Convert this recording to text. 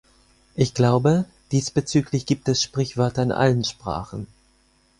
Ich glaube, diesbezüglich gibt es Sprichwörter in allen Sprachen.